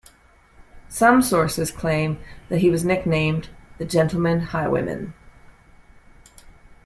Some sources claim that he was nicknamed "The Gentleman Highwayman".